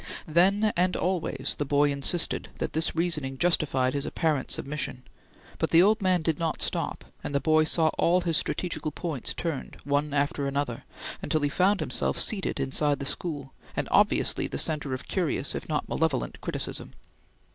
Then and always, the boy insisted that this reasoning justified his apparent submission; but the old man did not stop, and the boy saw all his strategical points turned, one after another, until he found himself seated inside the school, and obviously the centre of curious if not malevolent criticism.